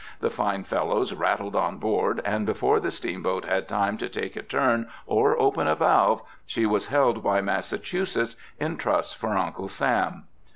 The fine fellows rattled on board, and before the steamboat had time to take a turn or open a valve, she was held by Massachusetts in trust for Uncle Sam.